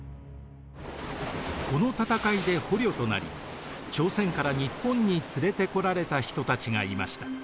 この戦いで捕虜となり朝鮮から日本に連れてこられた人たちがいました。